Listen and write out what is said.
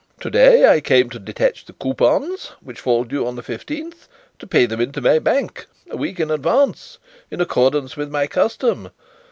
Today I came to detach the coupons which fall due on the fifteenth; to pay them into my bank a week in advance, in accordance with my custom.